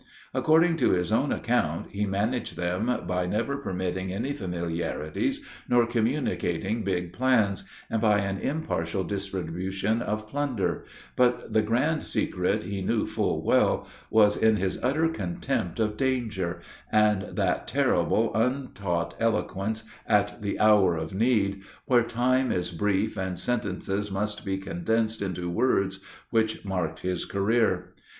According to his own account, he managed them by never permitting any familiarities, nor communicating big plans, and by an impartial distribution of plunder; but the grand secret, he knew full well, was in his utter contempt of danger, and that terrible, untaught eloquence, at the hour of need, where time is brief, and sentences must be condensed into words, which marked his career.